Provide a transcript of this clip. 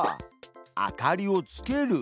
「明かりをつける」。